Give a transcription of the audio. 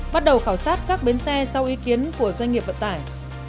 bắt đầu khảo sát các bến xe sau ý kiến của doanh nghiệp vận tải